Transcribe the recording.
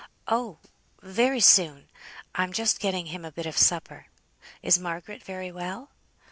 "Oh! very soon. I'm just getting him a bit of supper. Is Margaret very well?"